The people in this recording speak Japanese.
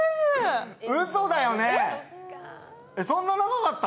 そんな長かった！？